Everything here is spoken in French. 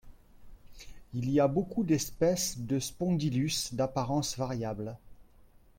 Il y a beaucoup d'espèces de Spondylus d'apparences variables.